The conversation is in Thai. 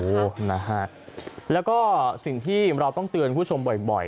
โอ้โหนะฮะแล้วก็สิ่งที่เราต้องเตือนคุณผู้ชมบ่อย